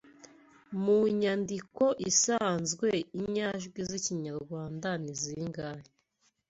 Mu nyandiko isanzwe inyajwi z’Ikinyarwanda ni zingahe